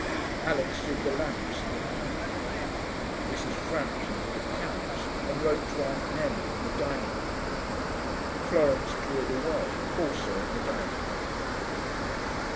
Alix did the lamps in the pantry. Mrs. Frampton did accounts and wrote to Aunt Nellie, in the dining room. Florence cleared away, also in the dining room.